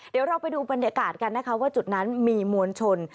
เดี๋ยวเราไปดูบรรยากาศกันนะคะว่าจุดนั้นมีมวลชน